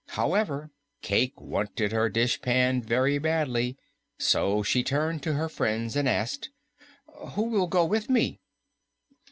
However, Cayke wanted her dishpan very badly, so she turned to her friends and asked, "Who will go with me?"